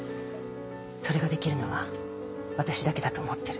それができるのは私だけだと思ってる